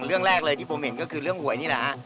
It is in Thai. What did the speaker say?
เรื่องหวยนี่แหละฮะ